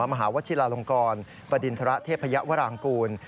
มหาวชิลละลงกรประดินธระเทพพยาวรางกูล